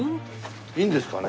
いいんですかね？